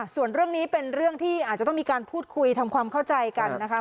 ส่วนเรื่องนี้เป็นเรื่องที่อาจจะต้องมีการพูดคุยทำความเข้าใจกันนะคะ